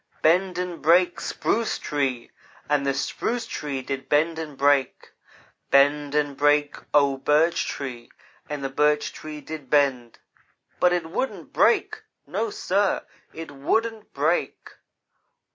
'Bend and break, Spruce Tree!' and the Spruce Tree did bend and break. 'Bend and break, O Birch Tree!' and the Birch Tree did bend, but it wouldn't break no, sir! it wouldn't break!